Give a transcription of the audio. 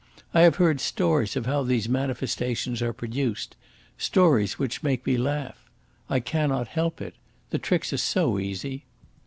I have heard stories of how these manifestations are produced stories which make me laugh. I cannot help it. The tricks are so easy.